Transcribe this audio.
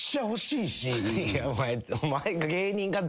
いやお前。